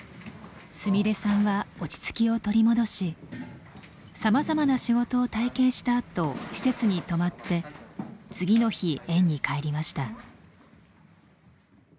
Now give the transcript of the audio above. すみれさんは落ち着きを取り戻しさまざまな仕事を体験したあと施設に泊まって次の日園に帰りました。